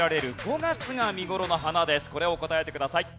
これを答えてください。